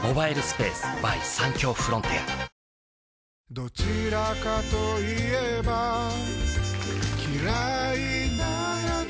どちらかと言えば嫌いなやつ